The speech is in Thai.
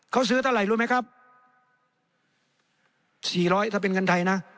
เขาซื้อเท่าไหร่รู้ไหมครับสี่ร้อยถ้าเป็นเงินไทยนะ